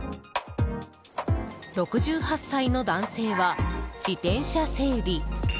６８歳の男性は自転車整理。